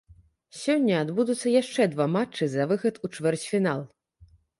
Сёння адбудуцца яшчэ два матчы за выхад у чвэрцьфінал.